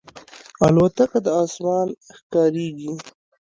الوتکه د اسمان ښکاریږي.